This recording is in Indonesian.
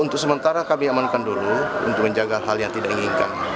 untuk sementara kami amankan dulu untuk menjaga hal yang tidak diinginkan